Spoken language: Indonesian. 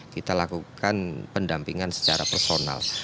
kita lakukan pendampingan secara personal